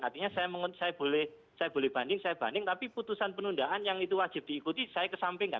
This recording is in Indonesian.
artinya saya boleh banding saya banding tapi putusan penundaan yang itu wajib diikuti saya kesampingkan